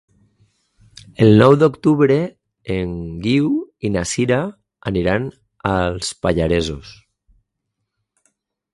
El nou d'octubre en Guiu i na Sira aniran als Pallaresos.